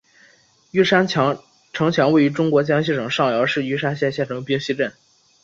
玉山城墙位于中国江西省上饶市玉山县县城冰溪镇。